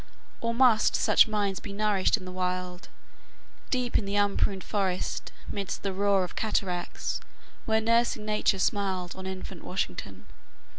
Or must such minds be nourished in the wild, Deep in the unpruned forest,'midst the roar Of cataracts, where nursing Nature smiled On infant Washington?